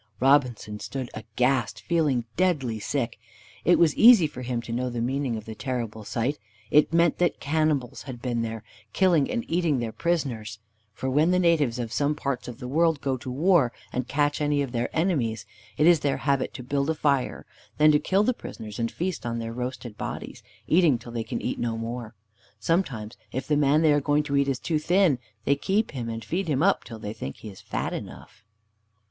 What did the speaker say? Robinson stood aghast, feeling deadly sick. It was easy for him to know the meaning of the terrible sight. It meant that cannibals had been there, killing and eating their prisoners; for when the natives of some parts of the world go to war, and catch any of their enemies, it is their habit to build a fire, then to kill the prisoners and feast on their roasted bodies, eating till they can eat no more. Sometimes, if the man they are going to eat is too thin, they keep him, and feed him up, till they think he is fat enough.